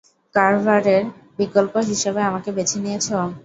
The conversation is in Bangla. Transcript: কার্ভারের বিকল্প হিসেবে আমাকে বেছে নিয়েছো?